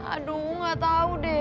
aduh nggak tahu deh